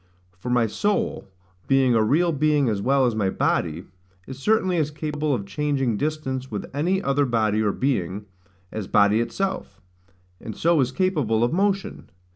For my soul, being a real being as well as my body, is certainly as capable of changing distance with any other body, or being, as body itself; and so is capable of motion.